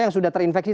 yang sudah terinfeksi